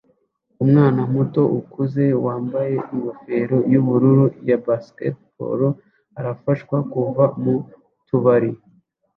Umwana muto ukuze wambaye ingofero yubururu ya baseball arafashwa kuva mu tubari